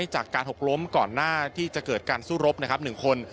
จากการหกล้มก่อนหน้าที่จะเกิดการสู้รบ๑คน